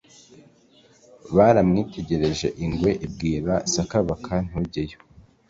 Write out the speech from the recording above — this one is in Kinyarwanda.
biramwitegereze ingwe ibwira sakabaka ntujyeyo